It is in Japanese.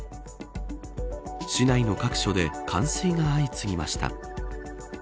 市内の各所で冠水が相次ぎました。